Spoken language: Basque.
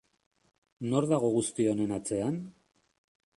Nor dago guzti honen atzean?